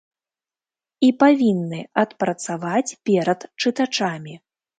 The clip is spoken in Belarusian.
І павінны адпрацаваць перад чытачамі.